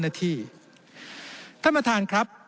ท่านมาฐานครับ